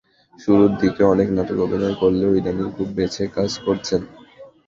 শুরুর দিকে অনেক নাটকে অভিনয় করলেও ইদানীং খুব বেছে কাজ করছেন।